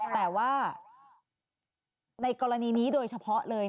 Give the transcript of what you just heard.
แต่ว่าในกรณีนี้โดยเฉพาะเลย